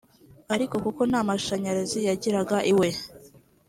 Ariko kuko nta mashanyarazi yagiraga iwe